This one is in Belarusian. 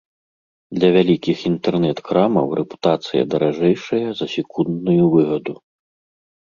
Для вялікіх інтэрнэт-крамаў рэпутацыя даражэйшая за секундную выгаду.